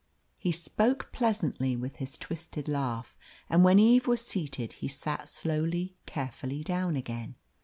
He spoke pleasantly, with his twisted laugh, and when Eve was seated he sat slowly, carefully down again.